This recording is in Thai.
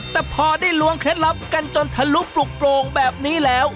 แต่พอได้ล้วงเคล็ดลับกันจนทะลุปลุกโปร่งแบบนี้แล้ว